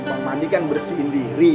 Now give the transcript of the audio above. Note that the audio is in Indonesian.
mandi kan bersihin diri